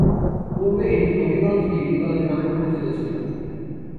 পূর্বে এটি "Nabiganj degree college" নামে পরিচিত ছিল।